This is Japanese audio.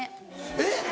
えっ！